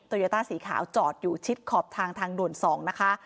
โยต้าสีขาวจอดอยู่ชิดขอบทางทางด่วน๒นะคะ